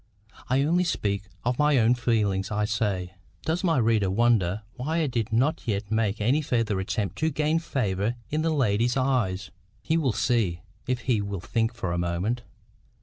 I only speak of my own feelings, I say. Does my reader wonder why I did not yet make any further attempt to gain favour in the lady's eyes? He will see, if he will think for a moment.